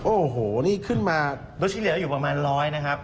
โอ้โหนี่ขึ้นมาโดยเฉลี่ยเราอยู่ประมาณ๑๐๐นะครับ